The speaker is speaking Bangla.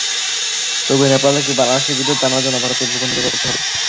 তবে নেপাল থেকে বাংলাদেশে বিদ্যুৎ আনার জন্য ভারতের ভূখণ্ড ব্যবহার করতে হবে।